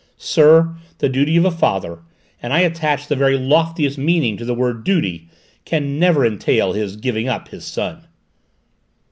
Sir, the duty of a father and I attach the very loftiest meaning to the word 'duty' can never entail his giving up his son!"